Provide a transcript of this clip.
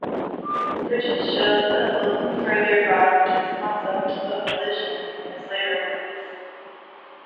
Bridges showed that Milton further broadened his concept of elision in his later works.